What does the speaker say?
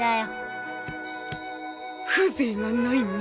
風情がないね。